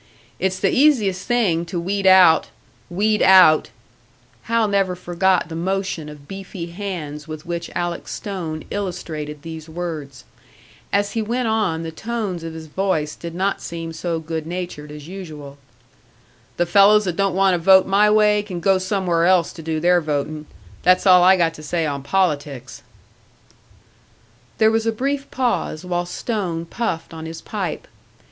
It's the easiest thing to weed out weed out " Hal never forgot the motion of beefy hands with which Alec Stone illustrated these words. As he went on, the tones of his voice did not seem so good natured as usual. "The fellows that don't want to vote my way can go somewhere else to do their voting. That's all I got to say on politics!" There was a brief pause, while Stone puffed on his pipe.